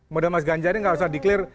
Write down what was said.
modal mas ganjar ini nggak usah di clear